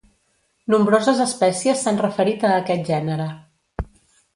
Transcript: Nombroses espècies s'han referit a aquest gènere.